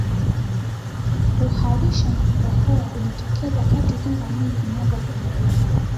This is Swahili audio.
kuharisha na kukohoa hujitokeza kadiri kinga ya mwili inavyopungua